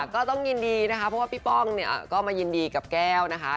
ก็ต้องยินดีนะคะเพราะว่าพี่ป้องเนี่ยก็มายินดีกับแก้วนะคะ